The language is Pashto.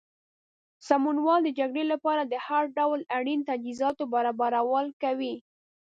سمونوال د جګړې لپاره د هر ډول اړین تجهیزاتو برابرول کوي.